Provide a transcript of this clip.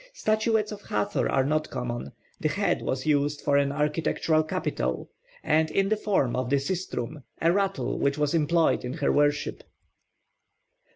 Statuettes of Hathor are not common; the head was used for an architectural capital and in the form of the sistrum, a rattle which was employed in her worship.